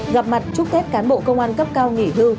gặp mặt chúc tết cán bộ công an cấp cao nghỉ hưu